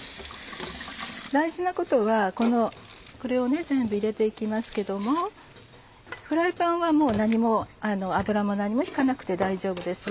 大事なことはこれを全部入れて行きますけどもフライパンはもう何も油も何も引かなくて大丈夫です。